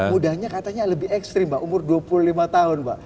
mudanya katanya lebih ekstrim umur dua puluh lima tahun pak